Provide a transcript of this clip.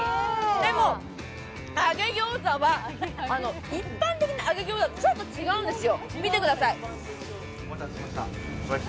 でも、揚げ餃子は一般的な揚げ餃子とちょっと違うんですよ。